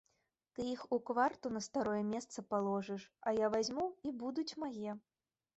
Ты іх у кварту на старое месца паложыш, а я вазьму, і будуць мае.